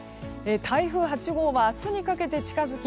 台風８号は明日にかけて近づき